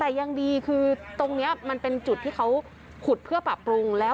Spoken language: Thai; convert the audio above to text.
อันนี้คือโชคดีมากนะคะ